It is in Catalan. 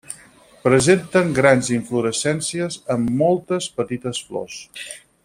Presenten grans inflorescències amb moltes petites flors.